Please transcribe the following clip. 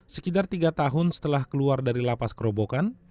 sekitar tiga tahun setelah keluar dari lapas kerobokan